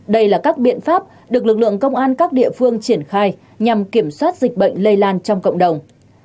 đây là các biện pháp được lực lượng công an các địa phương triển khai nhằm kiểm soát dịch bệnh lây lan trong cộng đồng